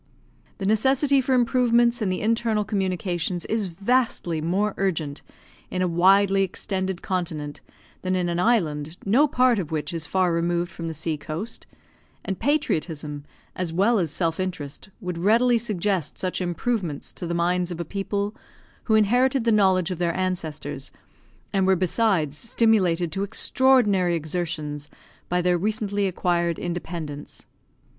The necessity for improvements in the internal communications is vastly more urgent in a widely extended continent than in an island, no part of which is far removed from the sea coast; and patriotism, as well as self interest, would readily suggest such improvements to the minds of a people who inherited the knowledge of their ancestors, and were besides stimulated to extraordinary exertions by their recently acquired independence.